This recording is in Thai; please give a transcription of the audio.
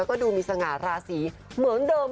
ก็ดูมีสงารราศีเหมือนเดิม